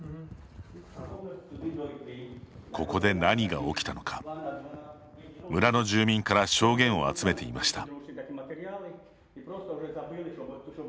ここで何が起きたのか村の住民から証言を集めていました。